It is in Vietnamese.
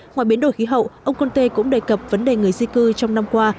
ngoài biến đổi khí hậu ông conte cũng đề cập vấn đề người di cư trong năm qua